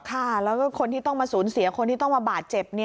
ค่ะแล้วก็คนที่ต้องมาสูญเสียคนที่ต้องมาบาดเจ็บ